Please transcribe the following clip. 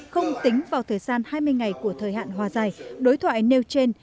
không tính vào thời gian hai mươi ngày của thời hạn hòa giải đối thoại nêu trên